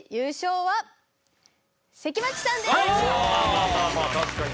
まあまあまあ確かに。